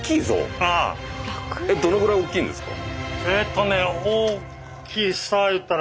どのぐらい大きいんですか？